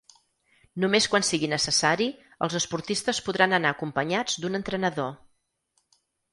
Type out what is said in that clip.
Només quan sigui necessari, els esportistes podran anar acompanyats d’un entrenador.